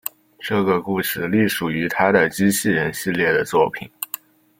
这个故事隶属于他的机器人系列的作品。